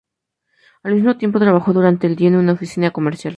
Al mismo tiempo, trabajó durante el día en una oficina comercial.